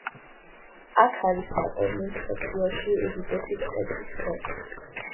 აქ არის ნაპოვნი მსოფლიოში უდიდესი ტექის ხე.